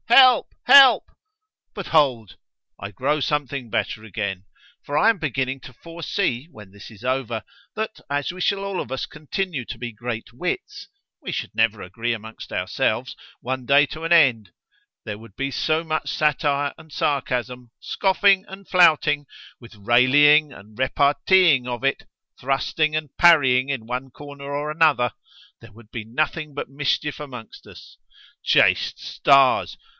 Help! Help!—But hold—I grow something better again, for I am beginning to foresee, when this is over, that as we shall all of us continue to be great wits—we should never agree amongst ourselves, one day to an end:——there would be so much satire and sarcasm——scoffing and flouting, with raillying and reparteeing of it—thrusting and parrying in one corner or another——there would be nothing but mischief among us——Chaste stars!